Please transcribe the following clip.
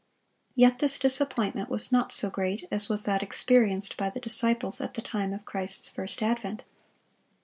Yet this disappointment was not so great as was that experienced by the disciples at the time of Christ's first advent.